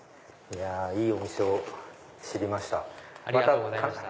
いいお店を知りました。